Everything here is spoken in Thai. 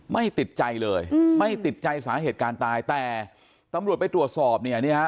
ไม่ติดใจเลยไม่ติดใจสาเหตุการณ์ตายแต่ตำรวจไปตรวจสอบเนี่ยฮะ